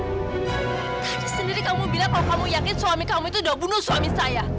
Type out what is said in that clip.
tadi sendiri kamu bilang kalau kamu yakin suami kamu itu sudah membunuh suami saya